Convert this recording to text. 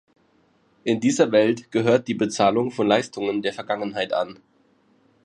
In dieser Welt gehört die Bezahlung von Leistungen der Vergangenheit an.